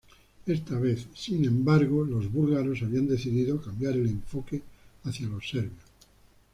Esta vez, sin embargo, los búlgaros habían decidido cambiar el enfoque hacia los serbios.